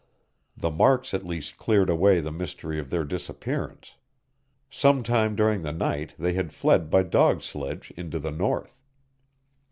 The marks at least cleared away the mystery of their disappearance. Sometime during the night they had fled by dog sledge into the North.